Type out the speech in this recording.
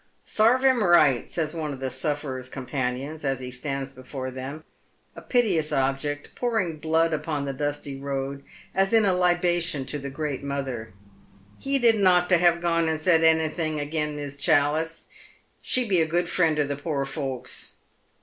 " Sarve him right," says one of the sufferer's companions, as he stands before them, a piteous object, pouring his blood upon the dusty road, as in a libation to the great mother. " He didn't ought to have gone and said anything agen Miss Challice. She be a good fiiend to the poor folks."